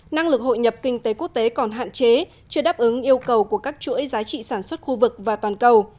năng lực hội nhập kinh tế quốc tế còn hạn chế chưa đáp ứng yêu cầu của các chuỗi giá trị sản xuất khu vực và toàn cầu